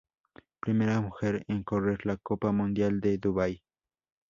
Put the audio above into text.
Primera mujer en correr la Copa mundial de Dubái.